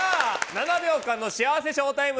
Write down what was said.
７秒間の幸せショータイム！